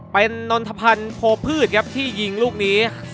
เป็นนรภัณฑ์โพพืชครับที่ยิงลูกนี้๓ต่อ๑